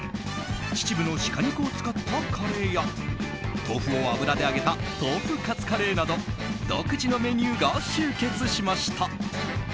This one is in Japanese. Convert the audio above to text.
秩父の鹿肉を使ったカレーや豆腐を油で揚げた豆腐カツカレーなど独自のメニューが集結しました。